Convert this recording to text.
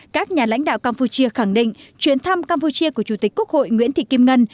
các nhà lãnh đạo campuchia khẳng định chuyến thăm campuchia của chủ tịch quốc hội nguyễn thị kim ngân